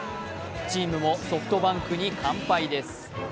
チームもソフトバンクに完敗です。